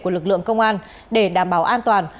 của lực lượng công an để đảm bảo an toàn